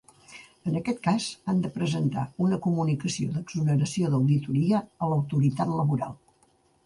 En aquest cas, han de presentar una comunicació d'exoneració d'auditoria a l'autoritat laboral.